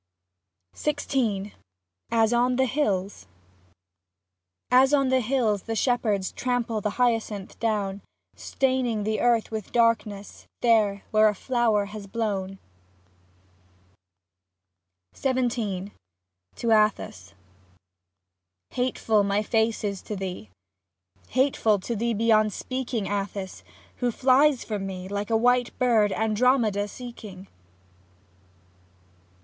XVI AS ON THE HILLS As on the hills the shepherds trample the hyacinth down, Staining the earth with darkness, there where a flower has blown, c 33 XVII TO ATTHIS Hateful my face is to thee. Hateful to thee beyond speaking, Atthis, who fliest from me Like a white bird Andromeda seeking.